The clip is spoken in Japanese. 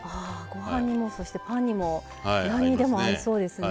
ご飯にもそしてパンにも何にでも合いそうですね。